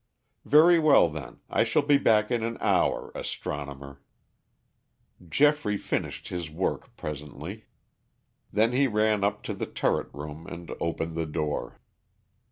"Very well, then, I shall be back in an hour, astronomer." Geoffrey finished his work presently. Then he ran up to the turret room and opened the door.